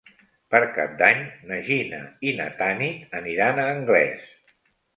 Per Cap d'Any na Gina i na Tanit aniran a Anglès.